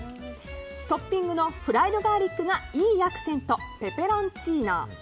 トッピングのフライドガーリックがいいアクセント、ペペロンチーノ。